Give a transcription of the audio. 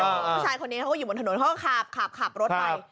ผู้ชายคนนี้เขาก็อยู่บนถนนเขาก็ขับขับรถไป